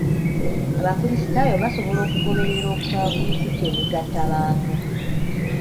Abakrisitaayo basobola okugoberera okusaba ku mikutu emigattabantu.